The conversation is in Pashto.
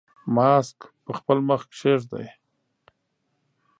ماسک په خپل مخ کېږدئ.